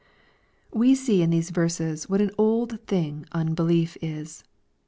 We see in these verses what an old thing unbelief is.